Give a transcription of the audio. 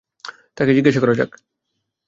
তাকে জিজ্ঞাসা করা যাক।